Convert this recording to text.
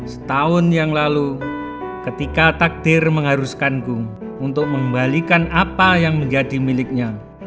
setahun yang lalu ketika takdir mengharuskanku untuk mengembalikan apa yang menjadi miliknya